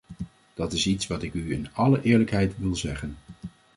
Dit is iets wat ik u in alle eerlijkheid wil zeggen.